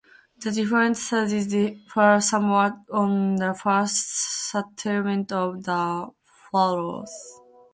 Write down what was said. The different sagas differ somewhat on the first settlement of the Faroes.